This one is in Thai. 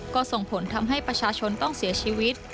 ก็ส่งผลทำให้ประชาชนต้องเสียชีวิต